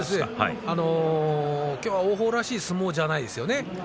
今日は王鵬らしい相撲じゃないですよね。